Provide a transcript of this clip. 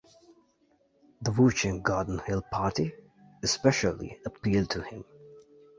The Wuchang Garden Hill Party especially appealed to him.